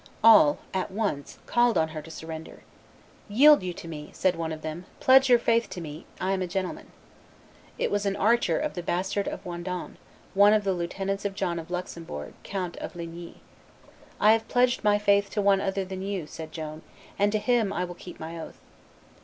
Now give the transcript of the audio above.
All, at once, called on her to surrender. "Yield you to me," said one of them; "pledge your faith to me; I am a gentleman." It was an archer of the bastard of Wandonne, one of the lieutenants of John of Luxembourg, Count of Ligny. "I have pledged my faith to one other than you," said Joan, "and to Him I will keep my oath."